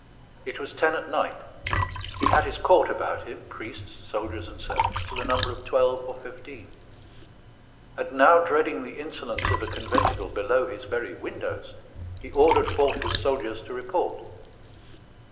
It was ten at night; he had his court about him, priests, soldiers, and servants, to the number of twelve or fifteen; and now dreading the insolence of a conventicle below his very windows, he ordered forth his soldiers to report.